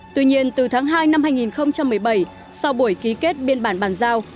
tuy nhiên từ tháng hai năm hai nghìn một mươi bảy sau buổi ký kết biên bản bàn giao